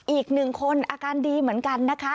อีกหนึ่งคนอาการดีเหมือนกันนะคะ